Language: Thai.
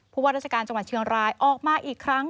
ว่าราชการจังหวัดเชียงรายออกมาอีกครั้ง